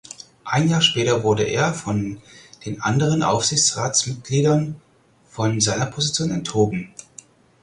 Ein Jahr später wurde er von den anderen Aufsichtsratsmitglieder von seiner Position enthoben.